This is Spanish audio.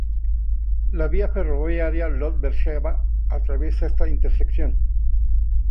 La vía ferroviaria Lod–Beersheba atraviesa esta intersección.